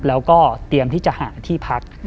แล้วก็เตรียมที่จะหาที่พัก